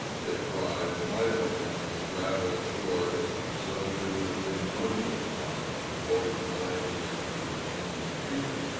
It thrives mightily on these gravelled shores, and so do the bignonia vine, the poison ivy, and the Virginia creeper.